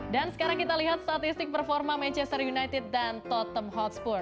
dan sekarang kita lihat statistik performa manchester united dan tottenham hotspur